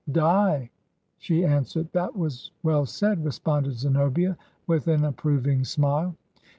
'Die I' she answered. 'That was well said I' responded Zenobia, with an approving smile.